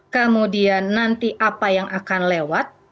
kemudian nanti apa yang akan lewat